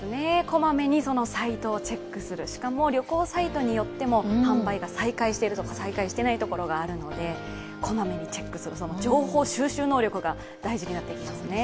こまめにサイトをチェックする、しかも旅行サイトによっても販売が再開している所としていない所があるので、こまめにチェックする情報収集能力が大事になってきますね。